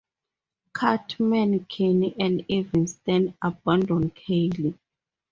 Cartman, Kenny, and even Stan abandon Kyle.